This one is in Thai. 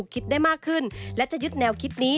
คิดได้มากขึ้นและจะยึดแนวคิดนี้